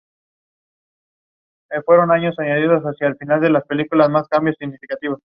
Later other authors paired the two in the pages of the "Union Jack".